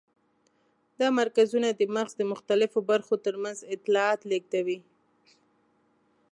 دا مرکزونه د مغز د مختلفو برخو تر منځ اطلاعات لېږدوي.